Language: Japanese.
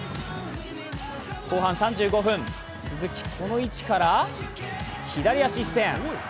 後半３５分、鈴木、この位置から左足いっせん。